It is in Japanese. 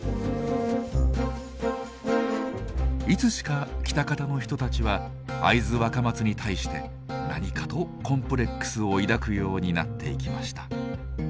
いつしか喜多方の人たちは会津若松に対して何かとコンプレックスを抱くようになっていきました。